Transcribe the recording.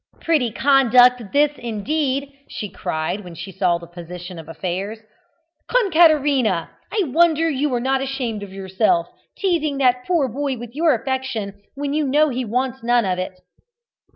"Pretty conduct this, indeed!" she cried, when she saw the position of affairs. "Concaterina! I wonder you are not ashamed of yourself, teasing that poor boy with your affection when you know he wants none of it!"